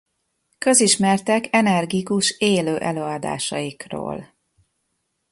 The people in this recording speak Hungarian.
Közismertek energikus élő előadásaikról.